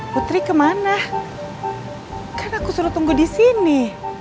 putri kemana karena aku suruh tunggu di sini